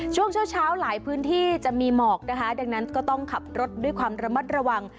ช่วงเช้าเช้าหลายพื้นที่จะมีหมอกนะคะดังนั้นก็ต้องขับรถด้วยความระมัดระวัง